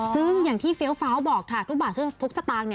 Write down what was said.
ซึ่งอย่างที่เฟี้ยวฟ้าวบอกค่ะทุกบาททุกสตางค์